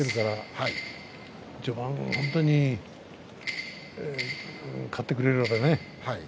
序盤、本当に勝ってくれればね。